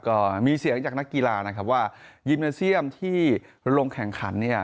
ก็มีเสียงจากนักกีฬานะครับว่ายิมเนเซียมที่ลงแข่งขันเนี่ย